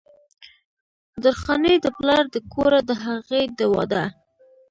درخانۍ د پلار د کوره د هغې د وادۀ